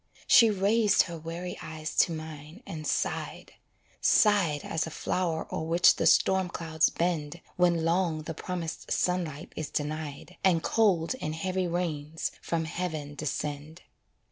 She raised her weary eyes to mine and sighed Sighed as a flow'r o'er which the storm clouds bend When long the promised sunlight is denied, And cold and heavy rains from heaven descend.